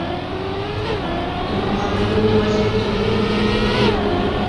له مقابل لورې يواځې د توپونو دوې ګولۍ راغلې.